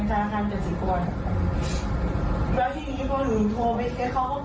แล้วที่นี่พวกหนูโทรไปเค้าก็บอกว่าหนูบอก